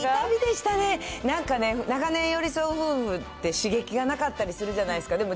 なんかね、長年寄り添う夫婦って、刺激がなかったりするじゃないですか。